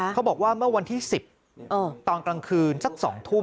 เขาบอกว่าเมื่อวันที่๑๐ตอนกลางคืนสัก๒ทุ่ม